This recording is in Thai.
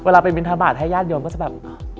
เวลาไปบิณฑบาตให้ญาติโยมก็จะแบบ